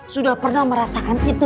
sudah pernah merasakan itu